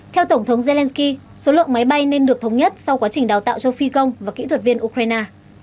theo tổng thống zelensky số lượng máy bay nên được thống nhất sau quá trình đào tạo cho phi công và kỹ thuật viên ukraine